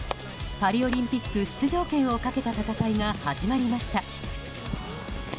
パリオリンピック出場権をかけた戦いが始まりました。